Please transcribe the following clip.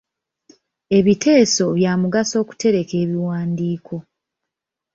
Ebiteeso bya mugaso okutereka ebiwandiiko.